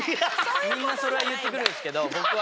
みんなそれは言ってくるんですけど僕は。